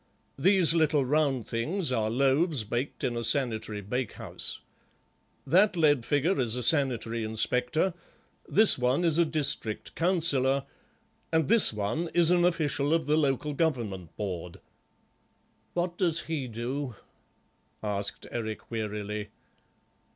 These little round things are loaves baked in a sanitary bakehouse. That lead figure is a sanitary inspector, this one is a district councillor, and this one is an official of the Local Government Board." "What does he do?" asked Eric wearily.